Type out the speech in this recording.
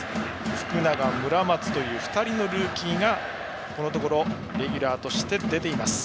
福永、村松という２人のルーキーがこのところレギュラーとして出ています。